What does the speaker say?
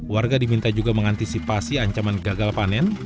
warga diminta juga mengantisipasi ancaman gagal panen